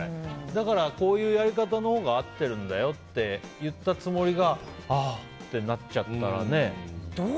だからこういうやり方のほうが合ってるんだよって言ったつもりがああってなっちゃったらね。